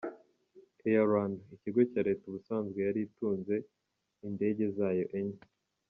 « Air Rwanda », ikigo cya Leta, ubusanzwe yari itunze indege zayo enye :